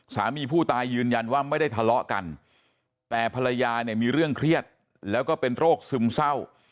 สามีผู้ตายยืนยันว่าไม่ได้ทะเลาะกันแต่ภรรยาเนี่ยมีเรื่องเครียดแล้วก็เป็นโรคซึมเศร้า